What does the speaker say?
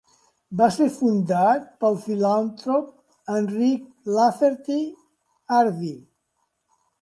Va ser fundat pel filantrop Eric Lafferty Harvie.